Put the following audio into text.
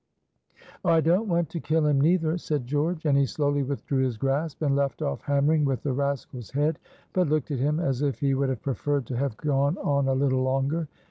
"Oh, I don't want to kill him neither," said George. And he slowly withdrew his grasp, and left off hammering with the rascal's head, but looked at him as if he would have preferred to have gone on a little longer.